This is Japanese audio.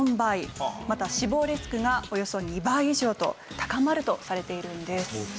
また死亡リスクがおよそ２倍以上と高まるとされているんです。